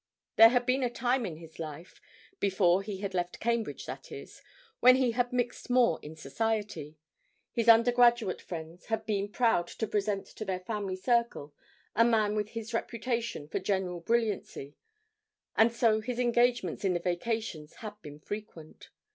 There had been a time in his life before he had left Cambridge, that is when he had mixed more in society; his undergraduate friends had been proud to present to their family circle a man with his reputation for general brilliancy, and so his engagements in the vacations had been frequent.